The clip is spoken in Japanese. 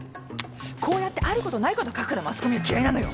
こうやってあることないこと書くからマスコミは嫌いなのよ